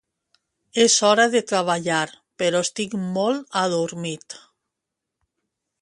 És hora de treballar, però estic molt adormit.